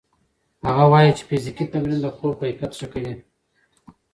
هغه وايي چې فزیکي تمرین د خوب کیفیت ښه کوي.